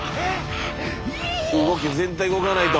動け全体動かないと！